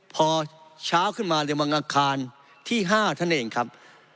พอเช้าขึ้นมาในวันอังคารที่๕ท่านเองครับ